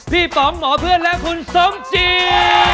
ป๋องหมอเพื่อนและคุณสมจี